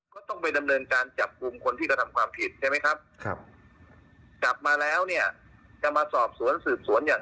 ว่าเขาเองเป็นผู้มีความผิดปกติหรือไม่อย่างไรก็ตาม